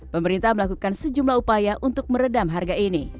pemerintah melakukan sejumlah upaya untuk meredam harga ini